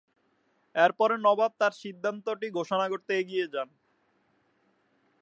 এরপরে নবাব তার সিদ্ধান্তটি ঘোষণা করতে এগিয়ে যান।